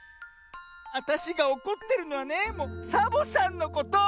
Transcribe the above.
わたしがおこってるのはねサボさんのこと。